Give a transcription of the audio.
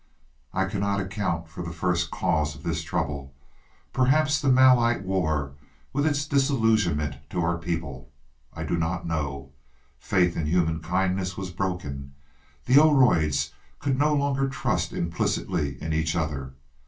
"I cannot account for the first cause of this trouble. Perhaps the Malite war, with its disillusionment to our people I do not know. Faith in human kindness was broken: the Oroids could no longer trust implicitly in each other.